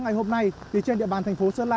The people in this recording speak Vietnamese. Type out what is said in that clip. ngày hôm nay trên địa bàn thành phố sơn la